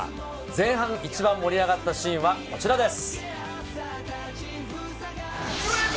前半、一番盛り上がったシーンはこちらです。